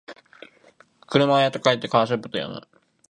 車屋と書いてカーショップと読む